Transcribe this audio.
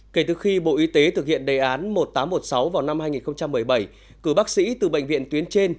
kể từ khi bộ y tế thực hiện đề án một nghìn tám trăm một mươi sáu vào năm hai nghìn một mươi bảy cử bác sĩ từ bệnh viện tuyến trên